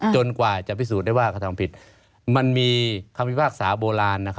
กว่าจะพิสูจน์ได้ว่ากระทำผิดมันมีคำพิพากษาโบราณ